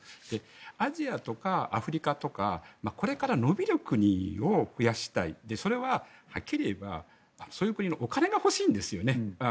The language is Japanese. アジアとかアフリカとかこれから伸びる国を増やしたいそれははっきりいえばそういう国のお金が欲しいんですよね。